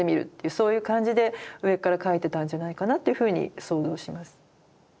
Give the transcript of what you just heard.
そういう感じで上から描いてたんじゃないかなっていうふうに想像します。